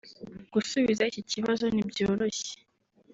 Gusubiza iki kibazo ntibyoroshye